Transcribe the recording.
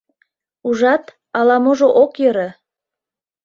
Ужат, ала-можо ок йӧрӧ.